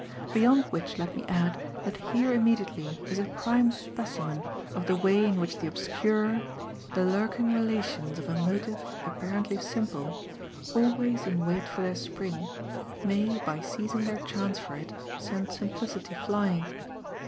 Beyond which let me add that here immediately is a prime specimen of the way in which the obscurer, the lurking relations of a motive apparently simple, always in wait for their spring, may by seizing their chance for it send simplicity flying.